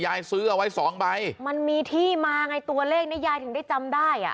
ยายซื้อเอาไว้สองใบมันมีที่มาไงตัวเลขเนี้ยยายถึงได้จำได้อ่ะ